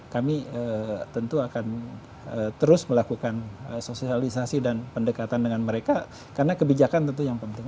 kami tentu akan terus melakukan sosialisasi dan pendekatan dengan mereka karena kebijakan tentu yang penting